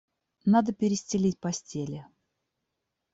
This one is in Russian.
Надо перестелить постели.